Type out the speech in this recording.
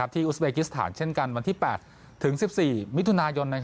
อุสเบกิสถานเช่นกันวันที่๘ถึง๑๔มิถุนายน